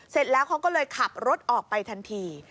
เสร็จแล้วเขาก็เลยขับรถออกไปทันที